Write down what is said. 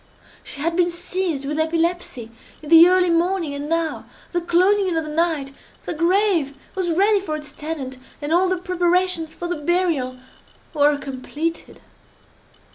She had been seized with epilepsy in the early morning, and now, at the closing in of the night, the grave was ready for its tenant, and all the preparations for the burial were completed.